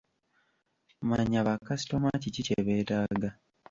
Manya ba kasitoma kiki kye beetaaga.